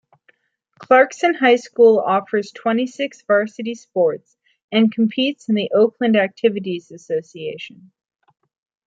Clarkston High School offers twenty-six varsity sports, and competes in the Oakland Activities Association.